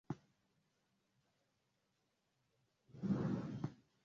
unaotokana na mioto ya misitu ya Kusini Mashariki mwa Asia